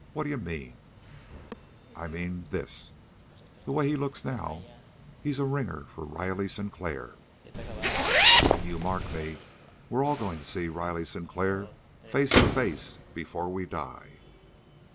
What d'you mean?" "I mean this! The way he looks now he's a ringer for Riley Sinclair. And, you mark me, we're all going to see Riley Sinclair, face to face, before we die!"